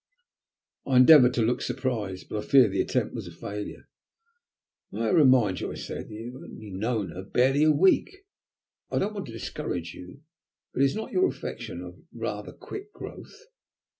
I endeavoured to look surprised, but I fear the attempt was a failure. "May I remind you," I said, "that you have known her barely a week? I don't want to discourage you, but is not your affection of rather quick growth?"